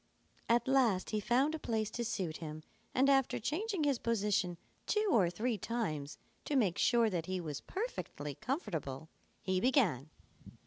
At last he found a place to suit him and after changing his position two or three times to make sure that he was perfectly comfortable, he began.